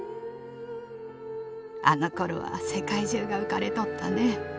「あの頃は世界中が浮かれとったね。